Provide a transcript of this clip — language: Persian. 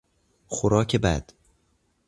خوراک بد